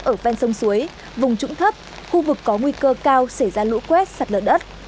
ở ven sông suối vùng trũng thấp khu vực có nguy cơ cao xảy ra lũ quét sạt lở đất